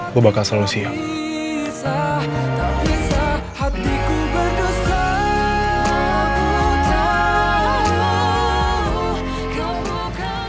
gue bakal selalu siap